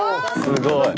すごい。